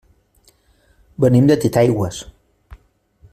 Venim de Titaigües.